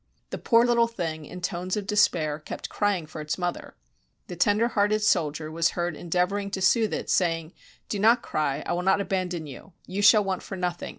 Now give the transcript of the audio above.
The poor little thing, in tones of despair, kept crying for its mother. The tender hearted soldier was heard endeavoring to soothe it, say ing, "Do not cry. I will not abandon you. You shall want for nothing.